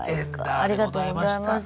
ありがとうございます。